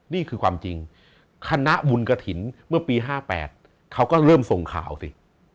นี่คือความจริงคณะบุญกระถิ่นเมื่อปี๕๘เขาก็เริ่มส่งข่าวสิ